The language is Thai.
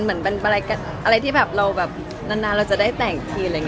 เป็นอะไรที่แบบนานเราจะได้แต่งจีน